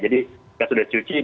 jadi kita sudah cuci